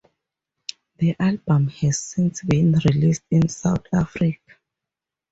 The album has since been released in South Africa.